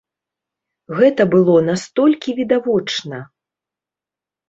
Гэта было настолькі відавочна!